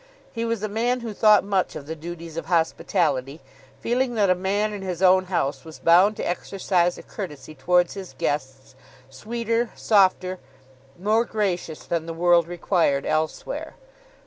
He was a man who thought much of the duties of hospitality, feeling that a man in his own house was bound to exercise a courtesy towards his guests sweeter, softer, more gracious than the world required elsewhere.